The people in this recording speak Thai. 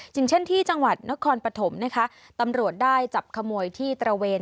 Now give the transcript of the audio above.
อย่างเช่นที่จังหวัดนครปฐมนะคะตำรวจได้จับขโมยที่ตระเวน